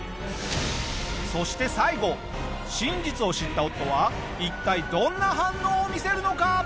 そして最後真実を知った夫は一体どんな反応を見せるのか？